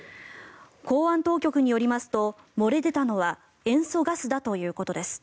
港湾当局によりますと漏れ出たのは塩素ガスだということです。